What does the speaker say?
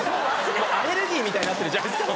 アレルギーみたいになってるじゃないですか。